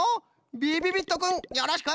びびびっとくんよろしく。